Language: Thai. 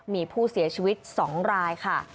มีผู้เสียชีวิต๒รายค่ะ